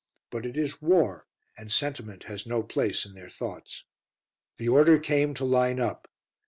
But it is war, and sentiment has no place in their thoughts. The order came to line up.